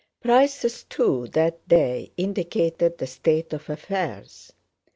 Prices too that day indicated the state of affairs.